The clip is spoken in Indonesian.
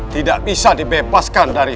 tidak bisa dibebaskan dari